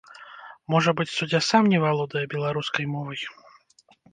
Можа быць, суддзя сам не валодае беларускай мовай?